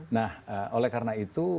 nah oleh karena itu